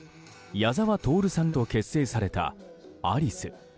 矢沢透さんと結成されたアリス。